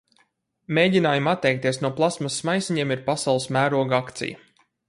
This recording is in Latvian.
Mēģinājumi atteikties no plastmasas maisiņiem ir pasaules mēroga akcija.